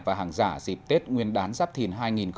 và hàng giả dịp tết nguyên đán giáp thìn hai nghìn hai mươi bốn